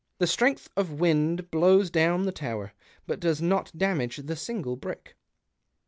The strength of wind blows down the tower, but does not damage the single brick."